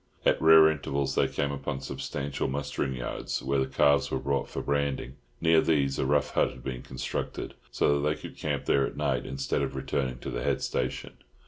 At rare intervals they came upon substantial mustering yards, where the calves were brought for branding; near these a rough hut had been constructed, so that they could camp there at night, instead of returning to the head station.